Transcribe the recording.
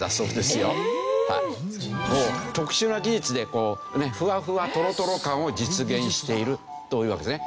特殊な技術でフワフワトロトロ感を実現しているというわけですね。